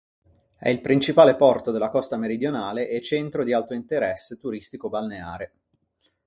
È il principale porto della costa meridionale e centro di alto interesse turistico-balneare.